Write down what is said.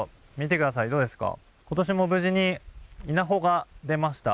今年も無事に稲穂が出ました。